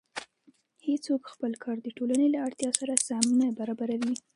هېڅوک خپل کار د ټولنې له اړتیا سره سم نه برابروي